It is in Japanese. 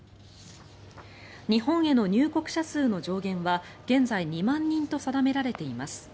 日本への入国者数の上限は現在、２万人と定められています。